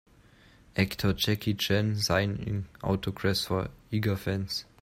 actor Jackie Chan signing autographs for eager fans.